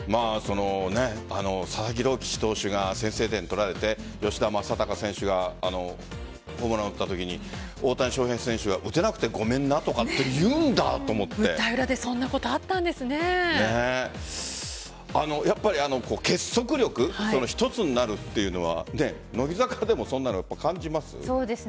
佐々木朗希投手が先制点、取られて吉田正尚選手がホームランを打ったときに大谷翔平選手が打てなくてごめんなって舞台裏でやっぱり結束力一つになるというのは乃木坂でもそんなの感じます？